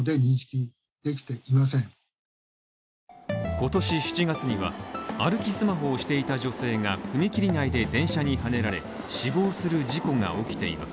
今年７月には、歩きスマホをしていた女性が踏切内で電車にはねられ死亡する事故が起きています。